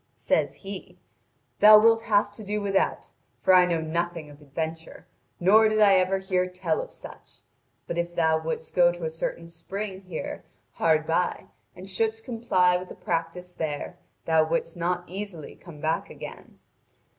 Says he: 'Thou wilt have to do without, for I know nothing of adventure, nor did I ever hear tell of such. But if thou wouldst go to a certain spring here hard by and shouldst comply with the practice there, thou wouldst not easily come back again.